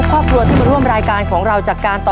โปรดติดตามตาม